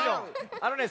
あのね